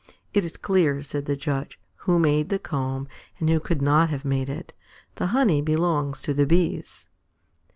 "It is clear," said the Judge, "who made the comb and who could not have made it. The honey belongs to the Bees."